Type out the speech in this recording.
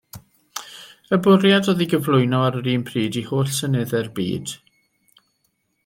Y bwriad oedd ei gyflwyno ar yr un pryd i holl seneddau'r byd.